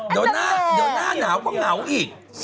เดี๋ยวหน้าหนาวก็เหงาอีก